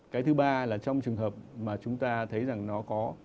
cái thứ ba là trong trường hợp mà chúng ta thấy rằng nó có